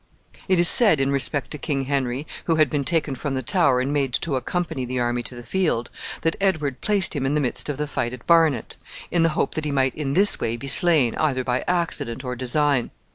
It is said in respect to King Henry, who had been taken from the Tower and made to accompany the army to the field, that Edward placed him in the midst of the fight at Barnet, in the hope that he might in this way be slain, either by accident or design.